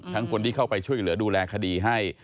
คนที่เข้าไปช่วยเหลือดูแลคดีให้